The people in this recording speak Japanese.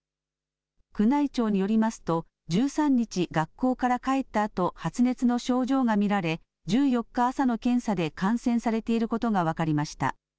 宮内庁によりますと１３日、学校から帰ったあと発熱の症状が見られ１４日朝の検査で感染されていることが分かりました。